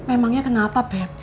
emangnya kenapa beb